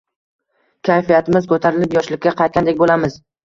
Kayfiyatimiz ko‘tarilib, yoshlikka qaytgandek bo‘lamiz.